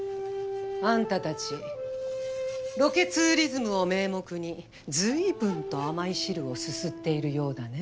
あんたたちロケツーリズムを名目にずいぶんと甘い汁をすすっているようだね。